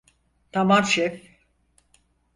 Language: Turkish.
Tamam şef.